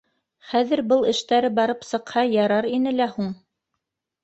Хәҙер был эштәре барып сыҡһа ярар ине лә һуң.